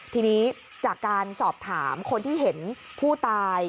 ทีนี้จากการสอบถามคนที่เห็นผู้ตาย